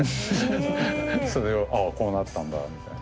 それをああこうなったんだみたいな。